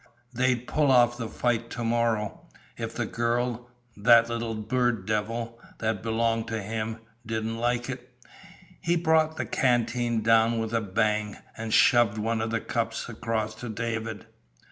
They'd pull off the fight to morrow. If the girl that little bird devil that belonged to him didn't like it.... He brought the canteen down with a bang, and shoved one of the cups across to David.